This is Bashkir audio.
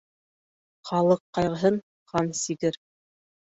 Халыҡ ҡайғыһын хан сигер